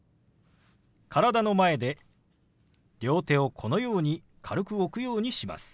体の前で両手をこのように軽く置くようにします。